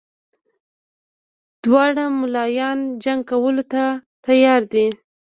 دواړه ملایان جنګ کولو ته تیار دي.